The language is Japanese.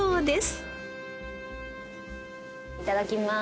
いただきます。